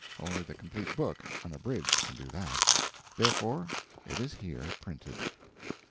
Only the complete book, unabridged, can do that. Therefore it is here printed.